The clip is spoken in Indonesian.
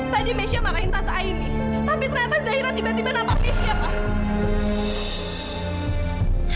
tadi mesya marahin tante aini tapi ternyata zaira tiba tiba nampak mesya pak